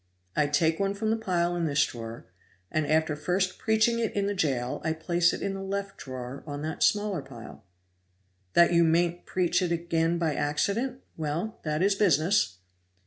I take one from the pile in this drawer, and after first preaching it in the jail I place it in the left drawer on that smaller pile." "That you mayn't preach it again by accident; well, that is business."